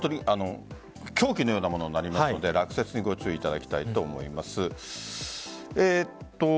凶器のようなものになりますので落雪にご注意いただきたいと思います。